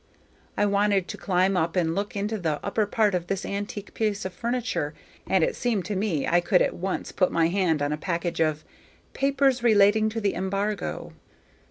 I wanted to climb up and look into the upper part of this antique piece of furniture, and it seemed to me I could at once put my hand on a package of "papers relating to the embargo."